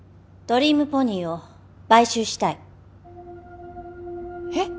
ドリームポニーを買収したいえっ？